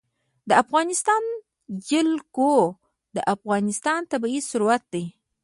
د افغانستان جلکو د افغانستان طبعي ثروت دی.